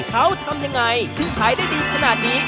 เขาทำยังไงถึงขายได้ดีขนาดนี้